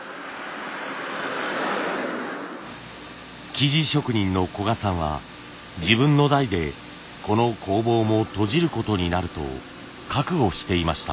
素地職人の古賀さんは自分の代でこの工房も閉じることになると覚悟していました。